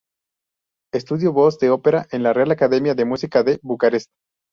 Estudió voz de ópera en la Real Academia de Música de Bucarest.